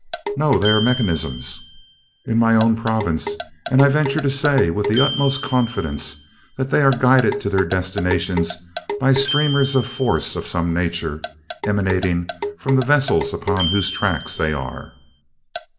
No, they are mechanisms, in my own province, and I venture to say with the utmost confidence that they are guided to their destinations by streamers of force of some nature, emanating from the vessels upon whose tracks they are."